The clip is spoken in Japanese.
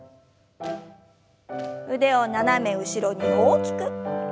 腕を斜め後ろに大きく。